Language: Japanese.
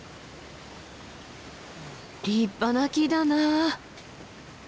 立派な木だなあ。